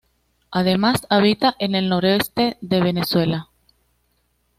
Además habita en el noroeste de Venezuela.